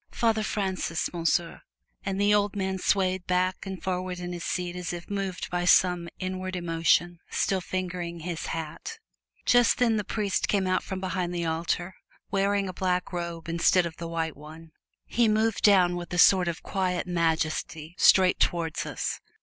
"Father Francis, Monsieur!" and the old man swayed back and forward in his seat as if moved by some inward emotion, still fingering his hat. Just then the priest came out from behind the altar, wearing a black robe instead of the white one. He moved down with a sort of quiet majesty straight towards us.